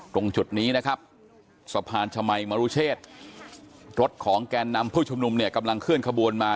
ตรงจุดนี้นะครับสะพานชมัยมรุเชษรถของแกนนำผู้ชุมนุมเนี่ยกำลังเคลื่อนขบวนมา